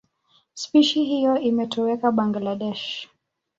Spishi hiyo imetoweka Bangladesh.